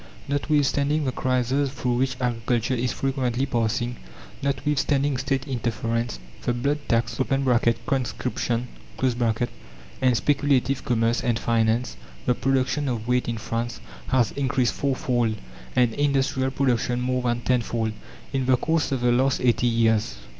Notwithstanding the crises through which agriculture is frequently passing, notwithstanding State interference, the blood tax (conscription), and speculative commerce and finance, the production of wheat in France has increased four fold, and industrial production more than tenfold, in the course of the last eighty years.